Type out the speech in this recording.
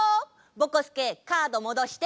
ぼこすけカードもどして。